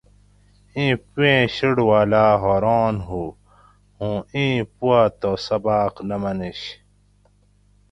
ایں پویٔں شیٹ واۤلاۤ حاۤران ھو اوُں ایں پو تہ سباۤق نہ منںش